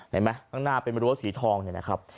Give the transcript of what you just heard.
เห็นไหมข้างหน้าเป็นรั้วสีทองเนี่ยนะครับ